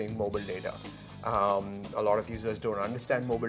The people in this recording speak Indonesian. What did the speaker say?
yang mereka hadapi yaitu menggunakan data mobil